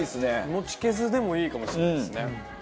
モチケズでもいいかもしれないですね。